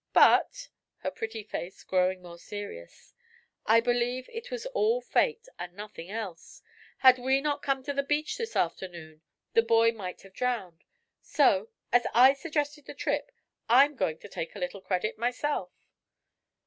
"But," her pretty face growing more serious, "I believe it was all Fate, and nothing else. Had we not come to the beach this afternoon, the boy might have drowned; so, as I suggested the trip, I'm going to take a little credit myself."